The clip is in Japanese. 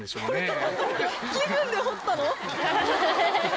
気分で掘ったの？